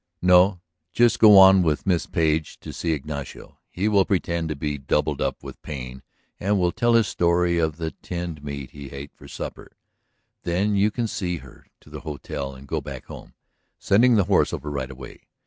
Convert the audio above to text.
"No. Just go on with Miss Page to see Ignacio. He will pretend to be doubled up with pain and will tell his story of the tinned meat he ate for supper. Then you can see her to the hotel and go back home, sending the horse over right away.